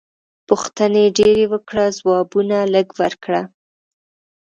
پوښتنې ډېرې وکړه ځوابونه لږ ورکړه.